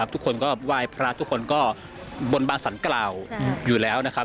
ทุกคนก็ไหว้พระทุกคนก็บนบานสรรกล่าวอยู่แล้วนะครับ